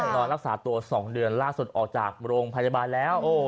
นอนรักษาตัว๒เดือนล่าสุดออกจากโรงพยาบาลแล้ว